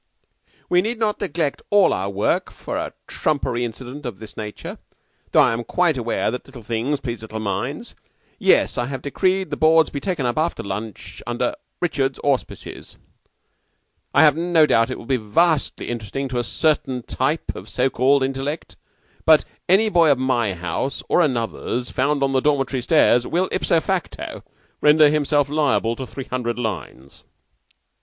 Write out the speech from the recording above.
"We need not neglect all our work for a trumpery incident of this nature; though I am quite aware that little things please little minds. Yes, I have decreed the boards to be taken up after lunch under Richards's auspices. I have no doubt it will be vastly interesting to a certain type of so called intellect; but any boy of my house or another's found on the dormitory stairs will ipso facto render himself liable to three hundred lines."